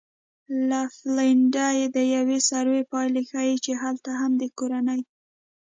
له فنلنډه د یوې سروې پایلې ښیي چې هلته هم د کورنۍ